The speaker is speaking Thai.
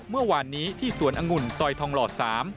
เมื่อวานนี้ที่สวนองุ่นซอยทองหลอดสาม